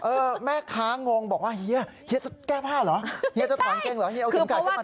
เออแม่ค้างงบอกว่าเฮียจะแก้ผ้าเหรอเฮียจะถอนเกลอเฮียเอาเข็มขัดเข้ามาทำไม